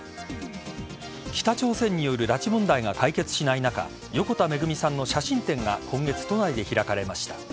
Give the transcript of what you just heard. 北朝鮮による拉致問題が解決しない中横田めぐみさんの写真展が今月、都内で開かれました。